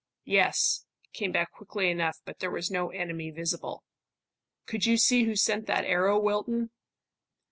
"Yes," came back quickly enough; but there was no enemy visible. "Could you see who sent that arrow, Wilton?"